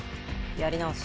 やり直し。